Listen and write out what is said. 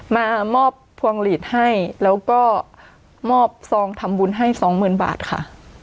มามอบพวงหลีดให้แล้วก็มอบซองทำบุญให้สองหมื่นบาทค่ะ